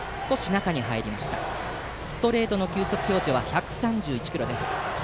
ストレートの球速表示は１３８キロです。